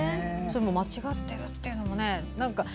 間違ってるっていうのも。